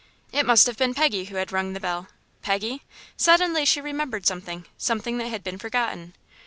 It must have been Peggy who had rung the bell. Peggy? Suddenly she remembered something something that had been forgotten.